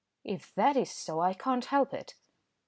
"If that is so I can't help it."